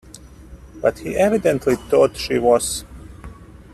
But he evidently thought she was.